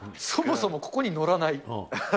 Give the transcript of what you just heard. そもそもここに載らない。